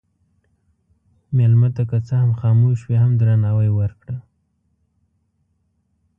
مېلمه ته که څه هم خاموش وي، هم درناوی ورکړه.